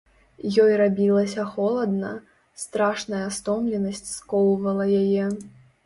Ёй рабілася холадна, страшная стомленасць скоўвала яе.